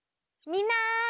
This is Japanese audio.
みんな！